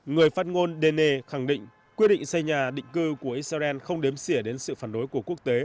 người phát ngôn dene khẳng định quyết định xây nhà định cư của israel không đếm xỉa đến sự phản đối của quốc tế